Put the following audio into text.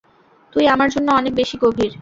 তুই আমার জন্য অনেক বেশি গভীর!